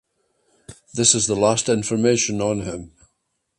This is the last information on him.